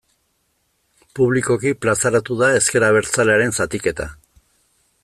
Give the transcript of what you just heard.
Publikoki plazaratu da ezker abertzalearen zatiketa.